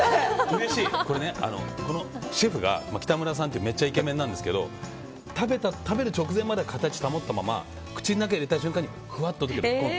このシェフがめっちゃイケメンなんですけど食べる直前まで形保ったまま口の中に入れた瞬間にふわっと溶ける。